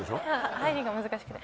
入りが難しくて。